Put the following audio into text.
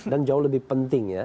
dan jauh lebih penting